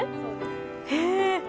へえ。